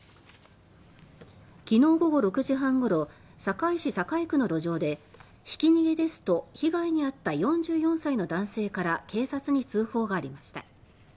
昨日午後６時半ごろ堺市堺区の路上で「ひき逃げです」と被害にあった４４歳の男性から警察に通報がありました。